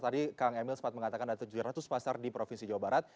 tadi kang emil sempat mengatakan ada tujuh ratus pasar di provinsi jawa barat